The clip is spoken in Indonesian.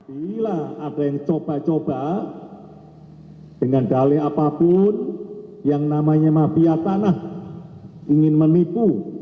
bila ada yang coba coba dengan dalih apapun yang namanya mafia tanah ingin menipu